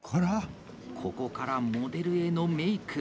ここからモデルへのメイク。